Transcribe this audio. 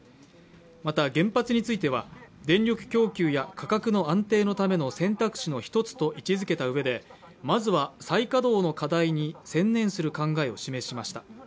また、原発については、電力供給や価格の安定のための選択肢の一つと位置づけたうえで、まずは再稼働の課題に専念する考えを示しました。